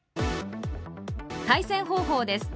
対戦方法です。